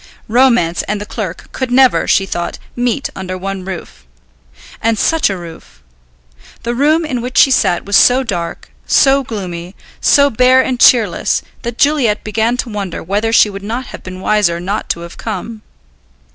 Romance and the clerk could never, she thought, meet under one roof. And such a roof! The room in which she sat was so dark, so gloomy, so bare and cheerless, that Juliet began to wonder whether she would not have been wiser not to have come.